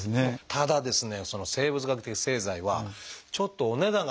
ただですね